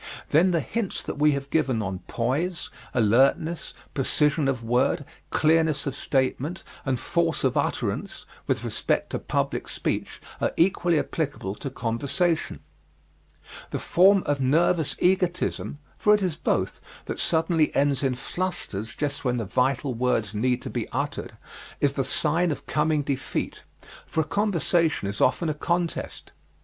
Then the hints that we have given on poise, alertness, precision of word, clearness of statement, and force of utterance, with respect to public speech, are equally applicable to conversation. The form of nervous egotism for it is both that suddenly ends in flusters just when the vital words need to be uttered, is the sign of coming defeat, for a conversation is often a contest.